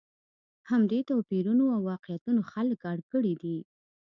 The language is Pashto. همدې توپیرونو او واقعیتونو خلک اړ کړي دي.